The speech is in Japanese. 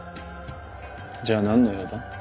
じゃあ何の用だ？